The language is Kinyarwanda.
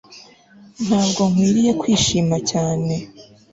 Ntabwo nkwiriye kwishima cyane